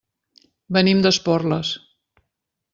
Venim d'Esporles.